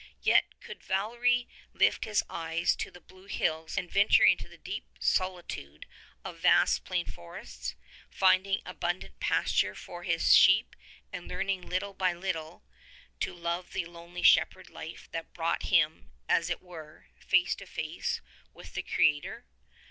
Yet could Valery lift his eyes to the blue hills and venture into the deep soli tude of vast pine forests, finding abundant pasture for his sheep, and learning little by little to love the lonely shepherd life that brought him, as it were, face to face with the Creator.